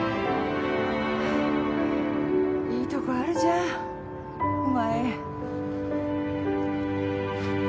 いいとこあるじゃんお前。